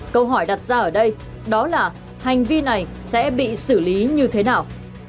câu hỏi đặt ra ở đây đó là hành vi này sẽ bị xử lý như thế nào